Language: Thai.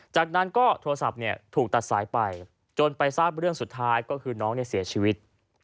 จากนั้นก็โทรศัพท์ถูกตัดสายไปจนไปทราบเรื่องสุดท้ายก็คือน้องเสียชีวิต